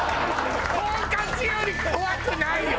トンカツより怖くないよ！